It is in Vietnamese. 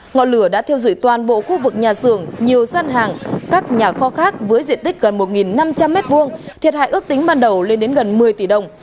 ngọn lửa đã thiêu dụi toàn bộ khu vực nhà xưởng nhiều gian hàng các nhà kho khác với diện tích gần một năm trăm linh m hai thiệt hại ước tính ban đầu lên đến gần một mươi tỷ đồng